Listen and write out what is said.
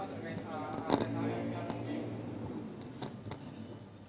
terkait aset hm yang berbeda